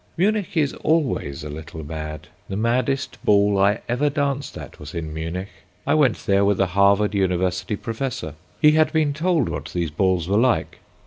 Munich is always a little mad. The maddest ball I ever danced at was in Munich. I went there with a Harvard University professor. He had been told what these balls were like.